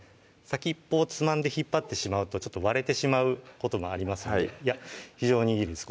先っぽをつまんで引っ張ってしまうとちょっと割れてしまうこともありますのでいや非常にいいです